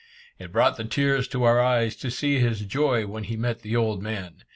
It brought the tears to our eyes to see his joy when he met the old man.